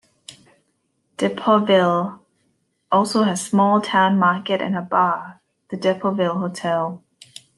Depauville also has a small town market and a bar, the Depauville Hotel.